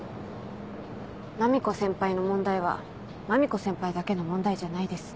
マミコ先輩の問題はマミコ先輩だけの問題じゃないです。